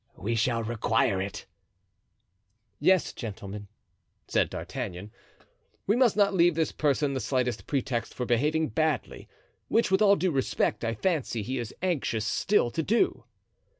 We shall require it." "Yes, gentlemen," said D'Artagnan, "we must not leave this person the slightest pretext for behaving badly, which, with all due respect, I fancy he is anxious still to do."